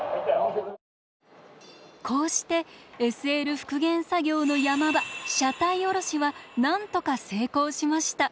こうしてＳＬ復元作業の山場車体おろしはなんとか成功しました。